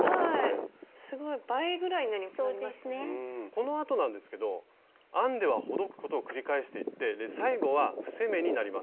このあとなんですけど編んではほどくことを繰り返していって最後は伏せ目になります。